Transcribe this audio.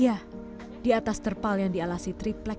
ia diatas terpal yang dialasi triple